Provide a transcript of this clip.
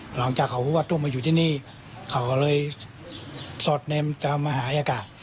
หลังจากเขารู้ว่าทุกมาอยู่ที่นี่เขาเลยสดเนมกับมาหาอย่างนี้ก่อน